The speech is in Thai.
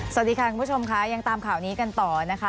สวัสดีค่ะคุณผู้ชมค่ะยังตามข่าวนี้กันต่อนะคะ